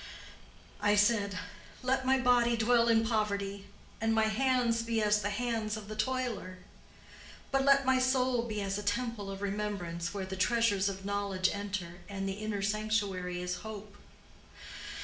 I said, let my body dwell in poverty, and my hands be as the hands of the toiler: but let my soul be as a temple of remembrance where the treasures of knowledge enter and the inner sanctuary is hope.